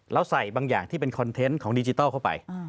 แล้วใส่บางอย่างที่เป็นคอนเทนต์ของดิจิทัลเข้าไป